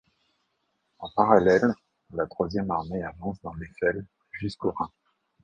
En parallèle, la troisième armée avance dans l'Eifel jusqu'au Rhin.